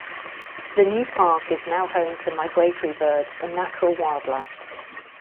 The new park is now home to migratory birds and natural wildlife.